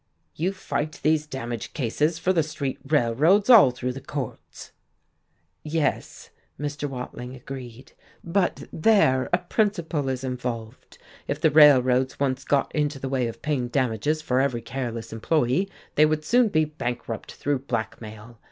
"You fight these damage cases for the street railroads all through the courts." "Yes," Mr. Watling agreed, "but there a principle is involved. If the railroads once got into the way of paying damages for every careless employee, they would soon be bankrupt through blackmail.